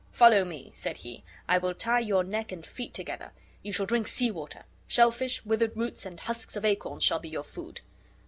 "Follow me," said be. "I will tie your neck and feet together. You shall drink sea water; shell fish, withered roots, and husks of acorns shall be your food."